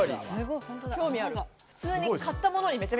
普通に買ったものに、めちゃ